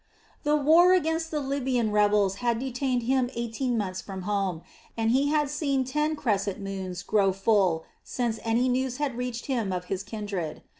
The war against the Libyan rebels had detained him eighteen months from his home, and he had seen ten crescent moons grow full since any news had reached him of his kindred.